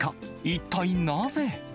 一体なぜ。